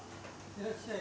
いらっしゃい。